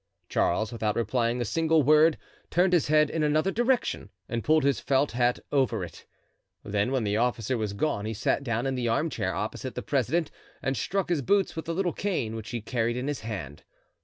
Charles, without replying a single word, turned his head in another direction and pulled his felt hat over it. Then when the officer was gone he sat down in the arm chair opposite the president and struck his boots with a little cane which he carried in his hand.